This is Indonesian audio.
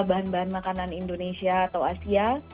bahan bahan makanan indonesia atau asia